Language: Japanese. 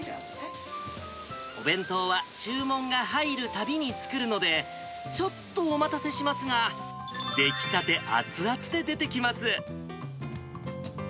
お弁当は注文が入るたびに作るので、ちょっとお待たせしますが、出来たて熱々で出てきます。